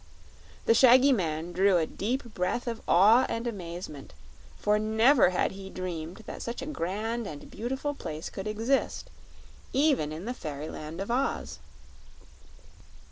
The shaggy man drew a deep breath of awe and amazement, for never had he dreamed that such a grand and beautiful place could exist even in the fairyland of Oz.